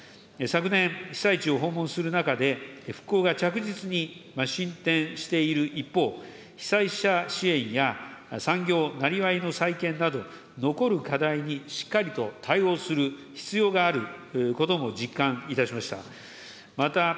昨年、被災地を訪問する中で、復興が着実に進展している一方、被災者支援や産業・なりわいの再建など、残る課題にしっかりと対応する必要があることも実感いたしました。